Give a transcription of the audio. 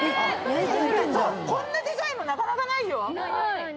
こんなデザインもなかなかないよ。